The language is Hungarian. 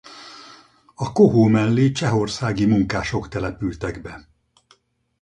A kohó mellé csehországi munkások települtek be.